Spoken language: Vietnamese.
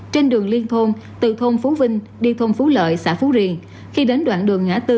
trên đường liên thôn từ thôn phú vinh đi thôn phú lợi xã phú riềng khi đến đoạn đường ngã tư